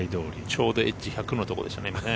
ちょうどエッジ１００のところですね。